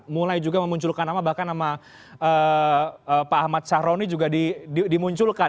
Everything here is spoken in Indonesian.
mulai juga memunculkan nama bahkan nama pak ahmad syahroni juga dimunculkan